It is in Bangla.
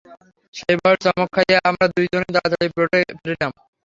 সেই ভয়ের চমক খাইয়া আমরা দুই জনেই তাড়াতাড়ি বোটে ফিরিলাম।